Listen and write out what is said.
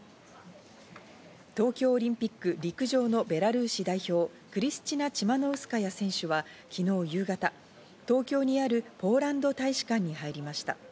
東京オリンピック・陸上のベラルーシ代表、クリスチナ・チマノウスカヤ選手は昨日夕方、東京にあるポーランド大使館に入りました。